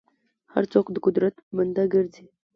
هر څوک د قدرت بنده ګرځي.